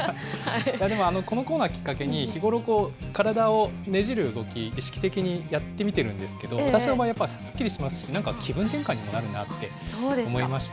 でもこのコーナーをきっかけに、日頃、体をねじる動き、意識的にやってみてるんですけど、私の場合、やっぱりすっきりしますし、なんか気分転換にもなるなって思いました。